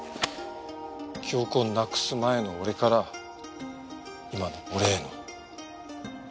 記憶をなくす前の俺から今の俺への。